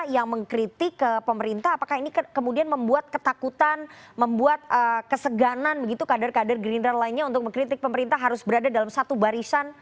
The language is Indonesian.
yang mengkritik ke pemerintah apakah ini kemudian membuat ketakutan membuat keseganan begitu kader kader gerindra lainnya untuk mengkritik pemerintah harus berada dalam satu barisan